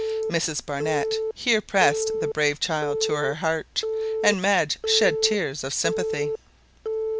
Mrs Barnett here pressed the brave child to her heart, and Madge shed tears of sympathy.